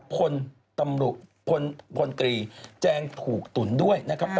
ผลกรีแจ้งถูกตุ๋นด้วยนะครับ